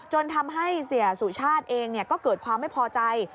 ทำให้เสียสุชาติเองก็เกิดความไม่พอใจ